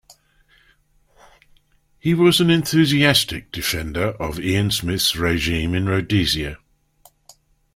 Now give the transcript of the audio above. He was an enthusiastic defender of Ian Smith's regime in Rhodesia.